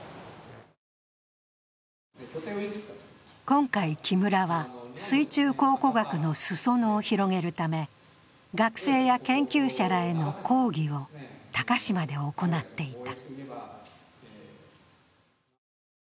今回、木村は水中考古学のすそ野を広げるため、学生や研究者らへの講義を鷹島で行っていた。